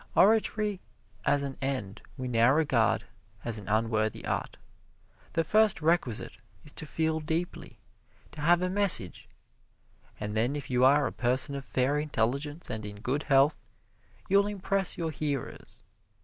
Oratory as an end we now regard as an unworthy art. The first requisite is to feel deeply to have a message and then if you are a person of fair intelligence and in good health, you'll impress your hearers.